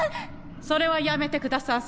それはやめてくださんせ。